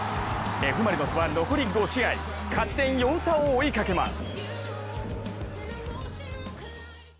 Ｆ・マリノスは残り５試合勝ち点４差を追いかけます。